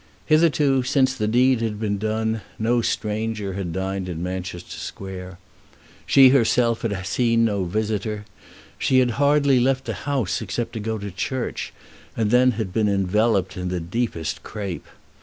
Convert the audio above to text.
Hitherto, since the deed had been done, no stranger had dined in Manchester Square. She herself had seen no visitor. She had hardly left the house except to go to church, and then had been enveloped in the deepest crape.